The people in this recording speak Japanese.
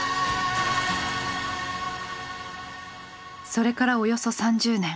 それからおよそ３０年。